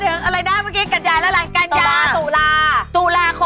ยิ่งกว่าจะรวด